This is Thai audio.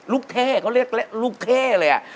ลูกเท่เขาเรียกละลูกเท่เลยอะ